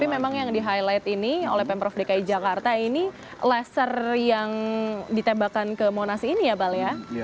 tapi memang yang di highlight ini oleh pemprov dki jakarta ini laser yang ditembakkan ke monas ini ya bale ya